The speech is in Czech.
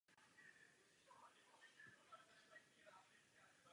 Stal se držitelem Řádu zlatého rouna.